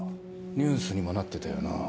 ニュースにもなってたよな。